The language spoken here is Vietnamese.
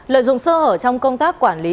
lợi dụng sơ ở trong công tác quản lý